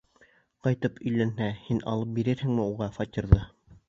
Ҡайтып өйләнһә, һин алып бирерһеңме уға фатирҙы?